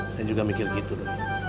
saya juga mikir gitu loh